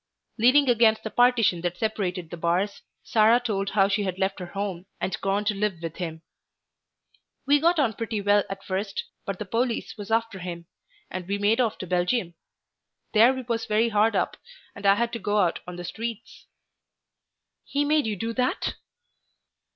Leaning against the partition that separated the bars, Sarah told how she had left her home and gone to live with him. "We got on pretty well at first, but the police was after him, and we made off to Belgium. There we was very hard up, and I had to go out on the streets." "He made you do that?"